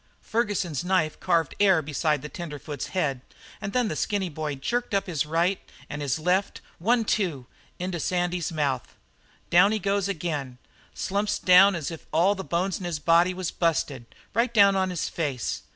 Ferguson's knife carved the air beside the tenderfoot's head, and then the skinny boy jerked up his right and his left one, two into Sandy's mouth. Down he goes again slumps down as if all the bones in his body was busted right down on his face.